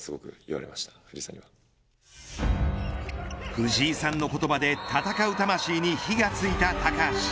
藤井さんの言葉で戦う魂に火がついた高橋。